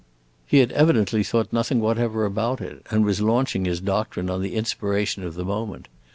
He had evidently thought nothing whatever about it, and was launching his doctrine on the inspiration of the moment.